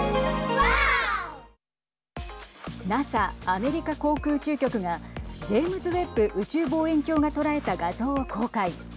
ＮＡＳＡ＝アメリカ航空宇宙局がジェームズ・ウェッブ宇宙望遠鏡が捉えた画像を公開。